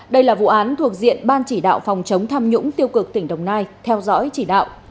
đây là vụ án thuộc diện ban chỉ đạo phòng chống tham nhũng tiêu cực tỉnh đồng nai theo dõi chỉ đạo